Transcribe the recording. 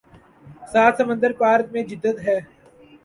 سات سمندر پار میں جدت ہے